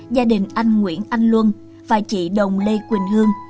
gia đình anh nguyễn anh luân và chị đồng lê quỳnh hương